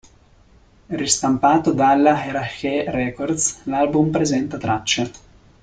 Ristampato dalla Earache Records, l'album presenta tracce